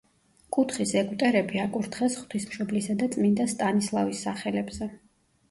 კუთხის ეგვტერები აკურთხეს ღვთისმშობლისა და წმინდა სტანისლავის სახელებზე.